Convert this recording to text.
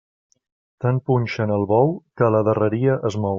Tant punxen al bou, que a la darreria es mou.